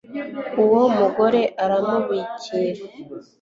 uwo mugore aramubikira